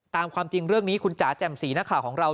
ความจริงเรื่องนี้คุณจ๋าแจ่มสีนักข่าวของเรา